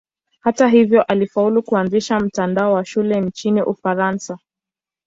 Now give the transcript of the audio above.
Hata hivyo alifaulu kuanzisha mtandao wa shule nchini Ufaransa.